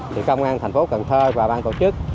thì công an thành phố cần thơ và bang tổ chức